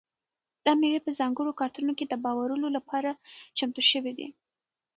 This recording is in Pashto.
دا مېوې په ځانګړو کارتنونو کې د بارولو لپاره چمتو شوي دي.